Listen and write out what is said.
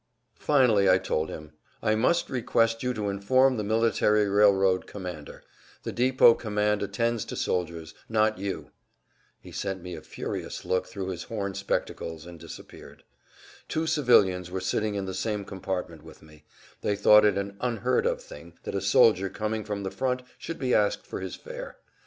Finally I told him, "I must request you to inform the military railroad commander; the depot command attends to soldiers, not you." He sent me a furious look through his horn spectacles and disappeared. Two civilians were sitting in the same compartment with me; they thought it an unheard of thing that a soldier coming from the front should be asked for his fare.